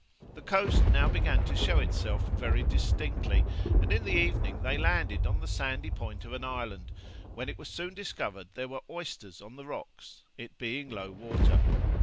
The coast now began to show itself very distinctly, and in the evening they landed on the sandy point of an island, when it was soon discovered there were oysters on the rocks, it being low water.